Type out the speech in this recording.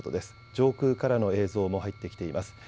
上空からの映像も入ってきています。